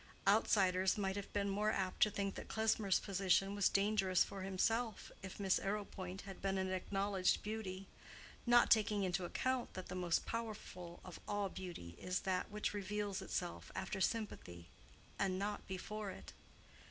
Outsiders might have been more apt to think that Klesmer's position was dangerous for himself if Miss Arrowpoint had been an acknowledged beauty; not taking into account that the most powerful of all beauty is that which reveals itself after sympathy and not before it.